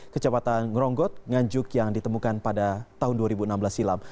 kecepatan ngeronggot nganjuk yang ditemukan pada tahun dua ribu enam belas silam